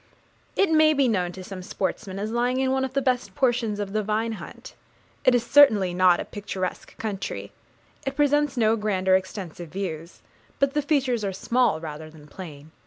It may be known to some sportsmen, as lying in one of the best portions of the Vine Hunt. It is certainly not a picturesque country; it presents no grand or extensive views; but the features are small rather than plain.